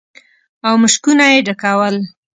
او مشکونه يې ډکول.